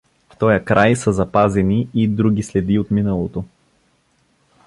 В тоя край са запазени и други следи от миналото.